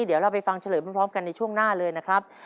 เดี๋ยวเราไปฟังเฉลยพร้อมกันในช่วงหน้าเลยนะครับ